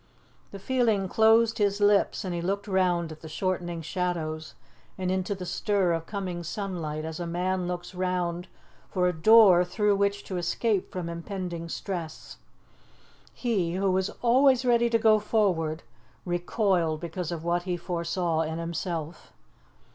The feeling closed his lips, and he looked round at the shortening shadows and into the stir of coming sunlight as a man looks round for a door through which to escape from impending stress. He, who was always ready to go forward, recoiled because of what he foresaw in himself.